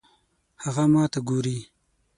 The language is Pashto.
هغه ماته ګوري